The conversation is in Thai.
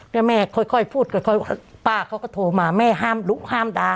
แล้วแม่ค่อยพูดค่อยว่าป้าเขาก็โทรมาแม่ห้ามลุกห้ามด่า